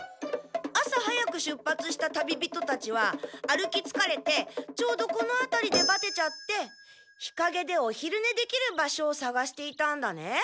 朝早く出発した旅人たちは歩きつかれてちょうどこのあたりでバテちゃって日かげでお昼ねできる場所をさがしていたんだね。